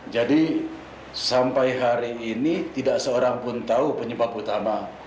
jadi sampai hari ini tidak seorang pun tahu penyebab utama